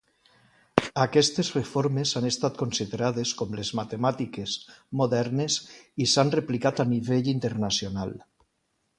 Aquestes reformes han estat considerades com les matemàtiques modernes i s'han replicat a nivell internacional.